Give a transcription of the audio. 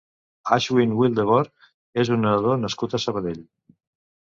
Aschwin Wildeboer és un nedador nascut a Sabadell.